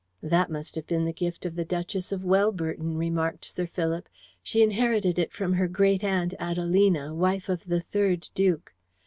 "That must have been the gift of the Duchess of Welburton," remarked Sir Philip. "She inherited it from her great aunt, Adelina, wife of the third duke.